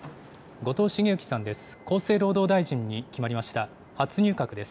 後藤茂之さんです。